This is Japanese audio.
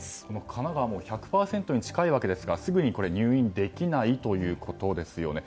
神奈川は１００％に近いわけですがすぐに入院できないということですよね。